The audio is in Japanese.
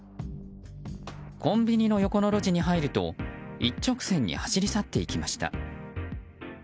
コンビニの横の路地に入ると一直線に走り去っていきました。